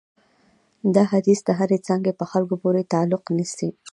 دا حدیث د هرې څانګې په خلکو پورې تعلق نیسي.